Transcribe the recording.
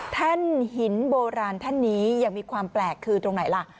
แท่นหินโบราณแท่นนี้ยังมีความแปลกคือตรงไหนล่ะ